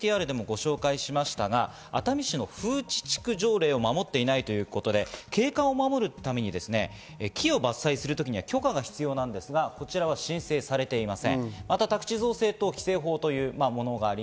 まず熱海市の風致地区条例を守っていないということで景観を守るために木を伐採する時には許可が必要なんですが、こちらは申請されていません。